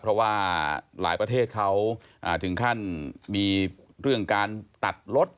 เพราะว่าหลายประเทศเขาถึงขั้นมีเรื่องการตัดรถ